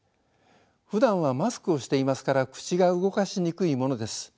ふだんはマスクをしていますから口が動かしにくいものです。